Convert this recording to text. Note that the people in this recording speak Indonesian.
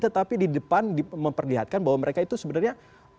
tetapi di depan memperlihatkan bahwa mereka itu sebenarnya